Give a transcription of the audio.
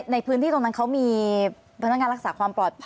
ในพื้นที่ตรงนั้นเขามีพนักงานรักษาความปลอดภัย